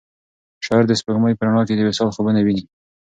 شاعر د سپوږمۍ په رڼا کې د وصال خوبونه ویني.